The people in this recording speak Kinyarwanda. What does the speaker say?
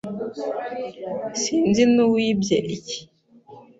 Sinzi n'uwibye iki.